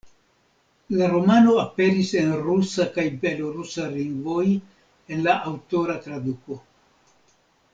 La romano aperis en rusa kaj belorusa lingvoj en la aŭtora traduko.